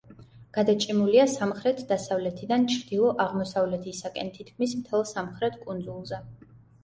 გადაჭიმულია სამხრეთ-დასავლეთიდან ჩრდილო-აღმოსავლეთისაკენ თითქმის მთელ სამხრეთ კუნძულზე.